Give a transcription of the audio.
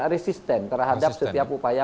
resisten terhadap setiap upaya